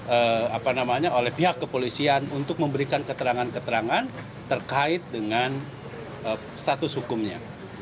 apa namanya oleh pihak kepolisian untuk memberikan keterangan keterangan terkait dengan status hukumnya